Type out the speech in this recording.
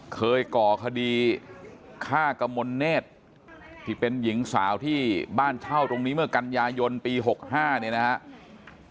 ก่อคดีฆ่ากมลเนธที่เป็นหญิงสาวที่บ้านเช่าตรงนี้เมื่อกันยายนปี๖๕เนี่ยนะครับ